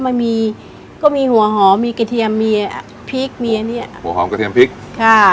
มันมีก็มีหัวหอมมีกระเทียมมีพริกเมียเนี้ยหัวหอมกระเทียมพริกค่ะ